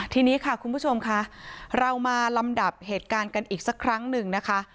ทีนี้ค่ะคุณผู้ชมค่ะเรามาลำดับเหตุการณ์กันอีกสักครั้งหนึ่งนะคะ